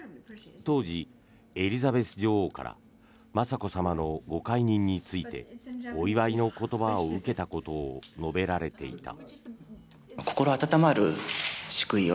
当時、エリザベス女王から雅子さまのご懐妊についてお祝いの言葉を受けたことを述べられていた。